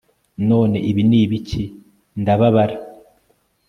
None ibi nibiki ndababara